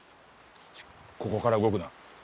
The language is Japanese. ここから動くな。